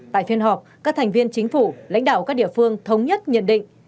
tại phiên họp các thành viên chính phủ lãnh đạo các địa phương thống nhất nhận định